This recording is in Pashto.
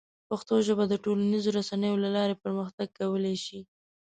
پښتو ژبه د ټولنیزو رسنیو له لارې پرمختګ کولی شي.